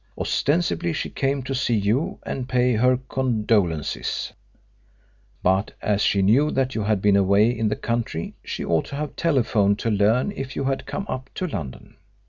Ostensibly she came to see you and pay her condolences, but as she knew that you had been away in the country she ought to have telephoned to learn if you had come up to London.